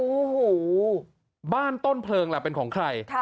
โอ้โหบ้านต้นเพลิงล่ะเป็นของใคร